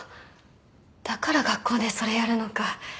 だから学校でそれやるのか。